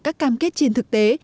các cam kết trên thực tế